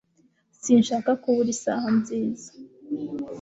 Sinshaka kubura isaha nziza